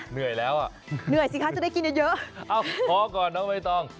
เหนื่อยแล้วอ่ะเหนื่อยสิคะจะได้กินเยอะเยอะเอ้าพอก่อนน้องใบตอง